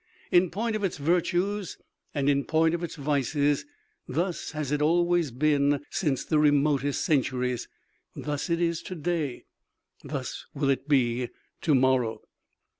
In point of its virtues and in point of its vices, thus has it always been since the remotest centuries; thus is it to day; thus will it be to morrow."